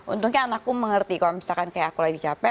untungnya anakku mengerti kalau misalkan kayak aku lagi capek